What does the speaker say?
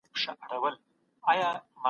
په خطي نسخو کې اضافه سوي توري معلومیږي.